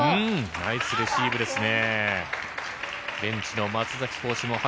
ナイスレシーブですね。